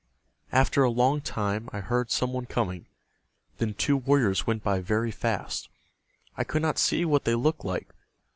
After a long time I heard some one coming. Then two warriors went by very fast. I could not see what they looked like.